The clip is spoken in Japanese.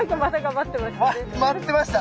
舞ってました！